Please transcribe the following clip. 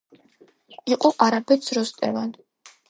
იყო არაბეთს როსტევან